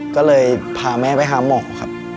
ก็เลยพาแม่ไปหาหมอครับ